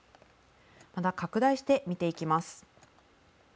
また拡大して見ていきます。